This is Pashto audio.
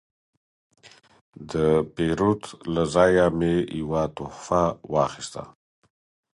د پیرود له ځایه مې یو تحفه واخیسته.